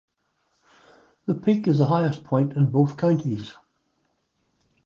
The peak is the highest point in both counties.